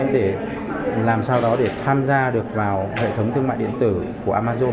để làm sao đó để tham gia được vào hệ thống thương mại điện tử của amazon